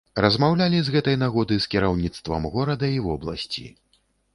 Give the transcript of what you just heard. Размаўлялі з гэтай нагоды з кіраўніцтвам горада і вобласці.